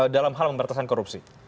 dalam hal pemberantasan korupsi